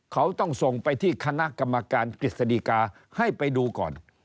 เขาต้องส่งไปที่คณะกรรมการกฤษฎีกาให้ไปดูก่อน